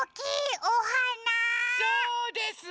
そうです！